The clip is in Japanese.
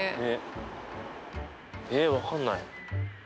えっ分かんない。